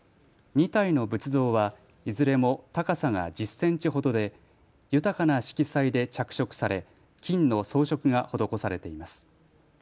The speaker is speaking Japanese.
２体の仏像はいずれも高さが１０センチほどで豊かな色彩で着色され金の装飾が施されています。